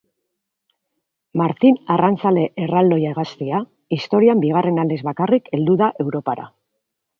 Martin Arrantzale Erraldoia hegaztia historian bigarren aldiz bakarrik heldu da Europara.